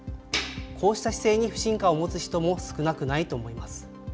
こうした姿勢に不信感を持つ人も少なくないと思います。